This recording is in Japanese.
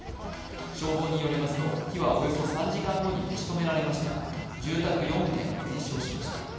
消防によりますと、火はおよそ３時間後に消し止められましたが住宅４棟が全焼しました。